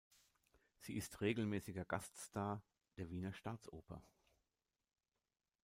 Sie ist regelmäßiger Gaststar der Wiener Staatsoper.